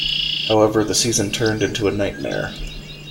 However, the season turned into a nightmare.